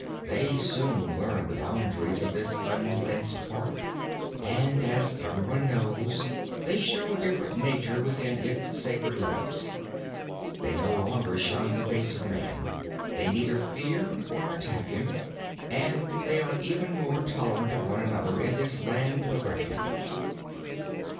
They soon learned the boundaries of this unfenced Park, and, as every one knows, they show a different nature within its sacred limits. They no longer shun the face of man, they neither fear nor attack him, and they are even more tolerant of one another in this land of refuge.